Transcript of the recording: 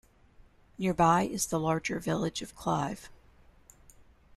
Nearby is the larger village of Clive.